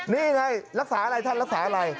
นี่ไงรักษาอะไรท่านรักษาอะไร